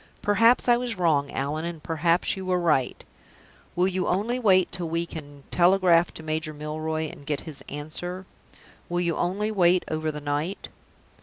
"Perhaps I was wrong, Allan, and perhaps you were right. Will you only wait till we can telegraph to Major Milroy and get his answer? Will you only wait over the night?"